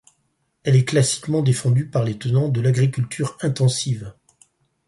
Elle est classiquement défendue par les tenants de l'agriculture intensive.